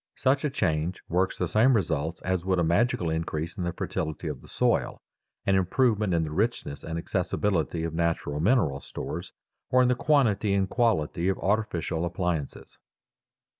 Such a change works the same results as would a magical increase in the fertility of the soil, an improvement in the richness and accessibility of natural mineral stores, or in the quantity and quality of artificial appliances.